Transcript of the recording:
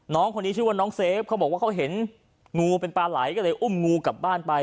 น้องคนนี้ชื่อว่าน้องเซฟเขาบอกว่าเขาเห็นงูเป็นปลาไหลก็เลยอุ้มงูกลับบ้านไป